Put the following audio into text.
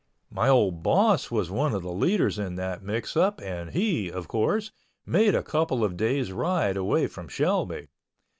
My old boss was one of the leaders in that mix up and he, of course, made a couple of days ride away from Shelby.